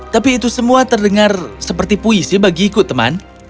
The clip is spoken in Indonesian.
tapi itu semua terdengar seperti puisi bagiku teman